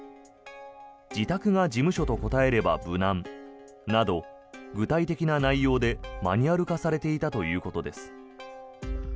自宅が事務所と答えれば無難など具体的な内容でマニュアル化されていたということです。